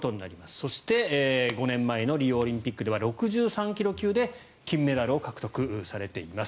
そして５年前のリオオリンピックでは６３ｋｇ級で金メダルを獲得されています。